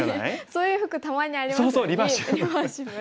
そういう服たまにありますよね。